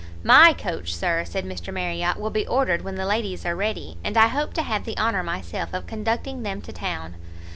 "My coach, Sir," said Mr Marriot, "will be ordered when the ladies are ready, and I hope to have the honour myself of conducting them to town."